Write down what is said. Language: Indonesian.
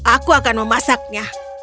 aku akan memasaknya